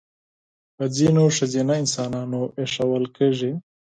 په ځینو ښځینه انسانانو اېښودل کېږي.